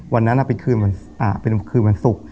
วันนั้นเป็นคืนบางสุข